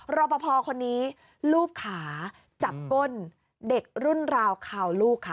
รอปภคนนี้ลูบขาจับก้นเด็กรุ่นราวคาวลูกค่ะ